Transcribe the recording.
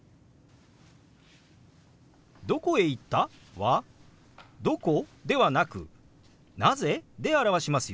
「どこへいった？」は「どこ？」ではなく「なぜ？」で表しますよ。